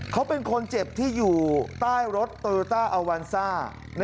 เขาเป็นคนเจ็บที่อยู่ใต้รถโตโยต้าอัลวานซ่า